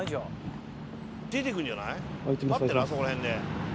待ってなそこら辺で。